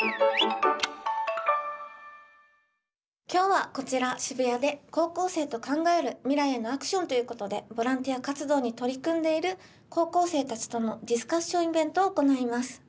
今日はこちら渋谷で高校生と考える未来へのアクションということでボランティア活動に取り組んでいる高校生たちとのディスカッションイベントを行います。